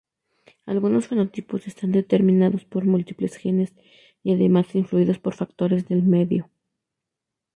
Algunos fenotipos están determinados por múltiples genes, y además influidos por factores del medio.